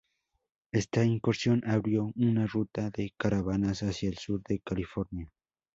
Esta incursión abrió una ruta de caravanas hacia el sur de California.